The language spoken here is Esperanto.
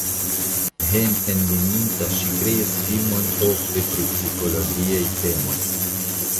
Hejmenveninta ŝi kreis filmojn ofte pri psikologiaj temoj.